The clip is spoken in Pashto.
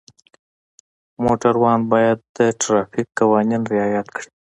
موټروان باید د ټرافیک قوانین رعایت کړي.